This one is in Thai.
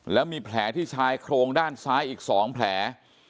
แล้วมีแผลที่ชายโครงด้านซ้ายอีก๒แผล